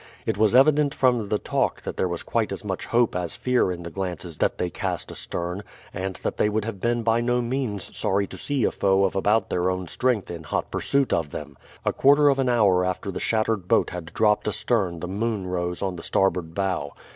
It was evident from the talk that there was quite as much hope as fear in the glances that they cast astern, and that they would have been by no means sorry to see a foe of about their own strength in hot pursuit of them. A quarter of an hour after the shattered boat had dropped astern the moon rose on the starboard bow.